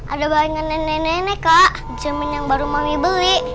ada bahan nge nenek nenek kak dicermin yang baru mami beli